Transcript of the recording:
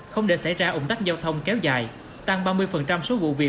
không để xảy ra ủng tắc giao thông kéo dài tăng ba mươi số vụ vì phát hiện vi phạm